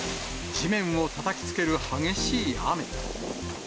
地面をたたきつける激しい雨。